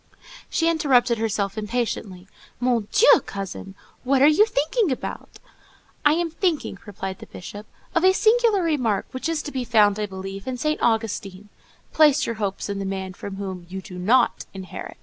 She interrupted herself impatiently: "Mon Dieu, cousin! What are you thinking about?" "I am thinking," replied the Bishop, "of a singular remark, which is to be found, I believe, in St. Augustine,—'Place your hopes in the man from whom you do not inherit.